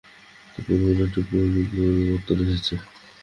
তো, পরিকল্পনায় একটু পরিবর্তন এসেছে।